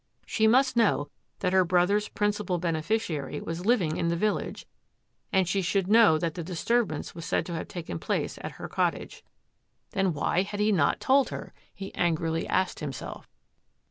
She must know that her brother's principal beneficiary was living in the village, and she should know that the disturbance was said to have taken place at her cottage. Then why had he not told her, he angrily asked himself.